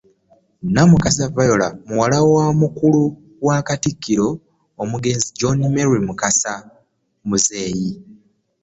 Namukasa Viola muwala wa mukulu wa Katikkiro, Omugenzi John Mary Mukasa Muzeeyi